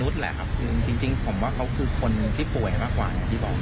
ใช่มีรับร่วม